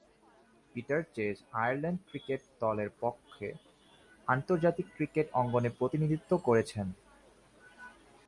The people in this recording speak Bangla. পিটার চেজ আয়ারল্যান্ড ক্রিকেট দলের পক্ষে আন্তর্জাতিক ক্রিকেট অঙ্গনে প্রতিনিধিত্ব করছেন।